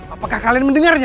apakah kalian mendengarnya